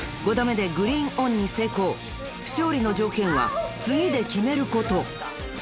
［に成功勝利の条件は次で決めること］